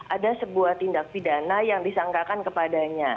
ada sebuah tindak pidana yang disangkakan kepadanya